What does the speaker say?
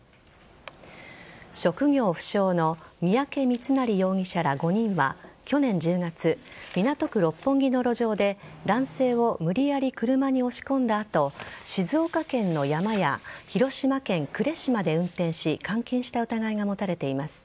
職業不詳の三宅三成容疑者ら５人は去年１０月、港区六本木の路上で男性を無理やり車に押し込んだ後静岡県の山や広島県呉市まで運転し監禁した疑いが持たれています。